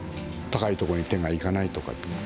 高いところに手がいかないとか。